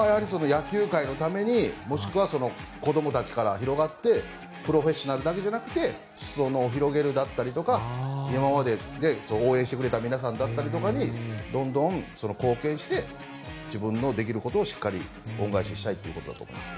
野球界のためにもしくは子供たちから広がってプロフェッショナルだけじゃなく裾野を広げるだったりとか今まで応援してくれた皆さんだったりにどんどん貢献して自分のできることをしっかり恩返ししたいということだと思います。